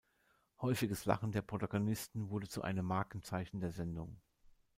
Häufiges Lachen der Protagonisten wurde zu einem Markenzeichen der Sendung.